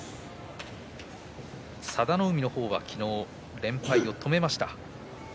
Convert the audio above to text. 佐田の海の方は昨日、連敗を止めました。